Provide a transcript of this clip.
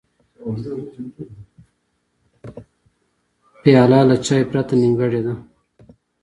پیاله له چای پرته نیمګړې ده.